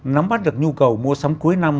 nắm bắt được nhu cầu mua sắm cuối năm